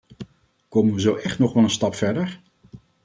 Komen we zo echt nog wel een stap verder?